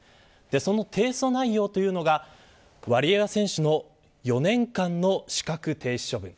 その提訴内容というのがワリエワ選手の４年間の資格停止処分。